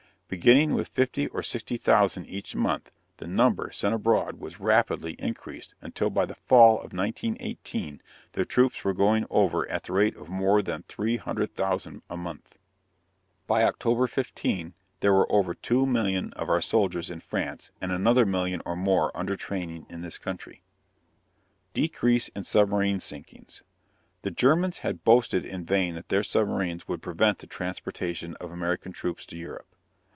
Beginning with fifty or sixty thousand each month, the number sent abroad was rapidly increased until by the fall of 1918 the troops were going over at the rate of more than three hundred thousand a month. By October 15 there were over two million of our soldiers in France and another million and more under training in this country. DECREASE IN SUBMARINE SINKINGS. The Germans had boasted in vain that their submarines would prevent the transportation of American troops to Europe.